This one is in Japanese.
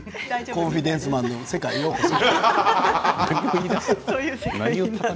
「コンフィデンスマン」の世界へようこそ。